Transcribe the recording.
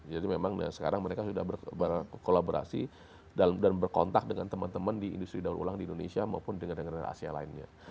jadi memang sekarang mereka sudah berkolaborasi dan berkontak dengan teman teman di industri daur ulang di indonesia maupun di negara negara asia lainnya